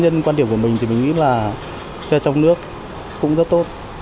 nhưng quan điểm của mình thì mình nghĩ là xe trong nước cũng rất tốt